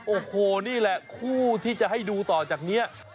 โอ้โหนี่แหละคู่ที่จะให้ดูต่อจากนี้